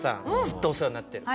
ずっとお世話になってる。